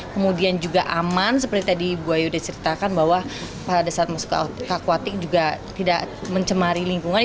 kemudian juga aman seperti tadi bu ayu sudah ceritakan bahwa pada saat masuk ke kakuatik juga tidak mencemari lingkungan